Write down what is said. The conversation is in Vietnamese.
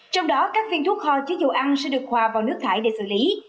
trong đó các phiên thuốc hò chứa dầu ăn sẽ được hòa vào nước thải để xử lý